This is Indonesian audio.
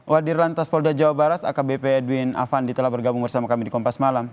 wadir lantas polda jawa barat akbp edwin afandi telah bergabung bersama kami di kompas malam